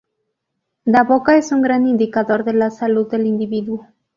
La boca es un gran indicador de la salud del individuo.